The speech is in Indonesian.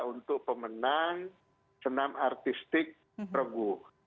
untuk pemenang senam artistik rebu